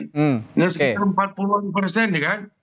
sekitar empat puluh persen ya kan